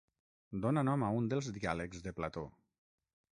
Dóna nom a un dels diàlegs de Plató.